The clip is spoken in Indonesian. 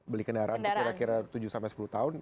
beli kendaraan kira kira tujuh sepuluh tahun